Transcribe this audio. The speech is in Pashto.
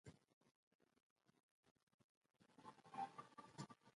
مجاهدین د باطل د غاښونو ماتولو ته ولاړ وه.